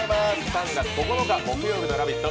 ３月９日木曜日の「ラヴィット！」